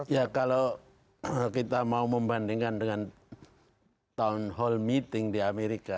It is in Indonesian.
ya kalau kita mau membandingkan dengan town hall meeting di amerika